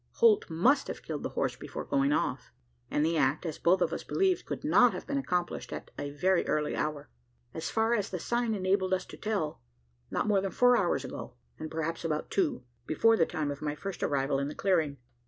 Holt must have killed the horse before going off; and the act, as both of us believed, could not have been accomplished at a very early hour. As far as the sign enabled us to tell, not more than four hours ago; and perhaps about two, before the time of my first arrival in the clearing.